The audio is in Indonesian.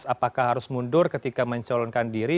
apakah harus mundur ketika mencalonkan diri